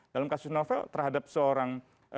dalam kasus novel terhadap seorang